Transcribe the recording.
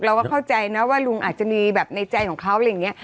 เราก็เข้าใจนะว่าลุงอาจจะมีแบบในใจของเขาอะไรอย่างนี้